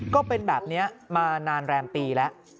ก็เป็นแบบนี้มานานแรมปีแล้ว